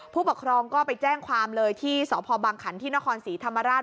ผู้ปกครองก็ไปแจ้งความเลยที่สพบังขันที่นครศรีธรรมราช